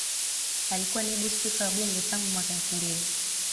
Alikuwa Naibu Spika wa Bunge tangu mwaka elfu mbili